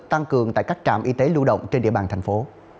tăng cường tại các trạm y tế lưu động trên địa bàn thành phố